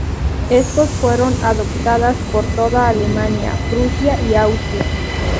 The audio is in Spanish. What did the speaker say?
Estos fueron adoptadas por toda Alemania, Prusia y Austria.